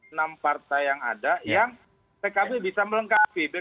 enam partai yang ada yang pkb bisa melengkapi